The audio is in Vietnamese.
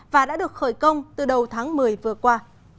và đã được khởi công từ đầu tháng một mươi vừa qua